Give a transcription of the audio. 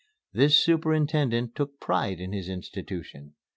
This superintendent took pride in his institution.